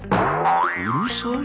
「うるさい！」？